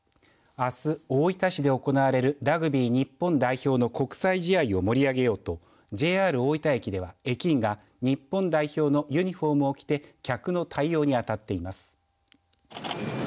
あす、大分市で行われるラグビー日本代表の国際試合を盛り上げようとＪＲ大分駅では、駅員が日本代表のユニフォームを着て客の対応にあたっています。